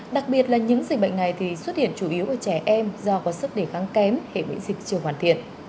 đặc biệt là những dịch bệnh này thì xuất hiện chủ yếu ở trẻ em do có sức đề kháng kém hệ miễn dịch chưa hoàn thiện